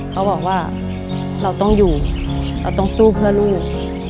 เขาบอกว่าเราต้องอยู่เราต้องสู้เพื่อลูก